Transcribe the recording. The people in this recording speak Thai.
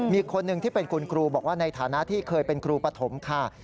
มีคนหนึ่งที่เป็นคุณครูบอกว่าในฐานะที่เคยเป็นครูปฐมค่ะ